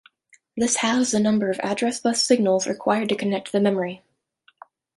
This halves the number of address bus signals required to connect to the memory.